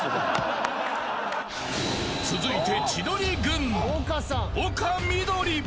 ［続いて］